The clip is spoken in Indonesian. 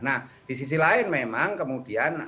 nah di sisi lain memang kemudian